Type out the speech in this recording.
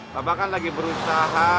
papa kan lagi berusaha